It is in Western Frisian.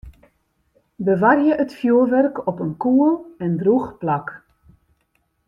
Bewarje it fjurwurk op in koel en drûch plak.